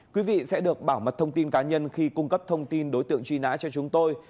quý vị sẽ được bảo mật thông tin cá nhân khi cung cấp thông tin đối tượng truy nã cho chúng tôi